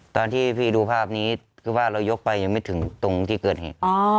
ตอนที่พี่ดูภาพนี้คือว่าเรายกไปยังไม่ถึงตรงที่เกิดเหตุ